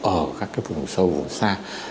ở các cái vùng sâu vùng xa